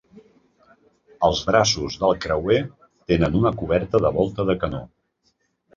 Els braços del creuer tenen una coberta de volta de canó.